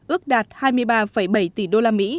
ước đạt hai mươi ba bảy tỷ usd